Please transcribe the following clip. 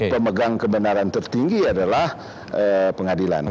pemegang kebenaran tertinggi adalah pengadilan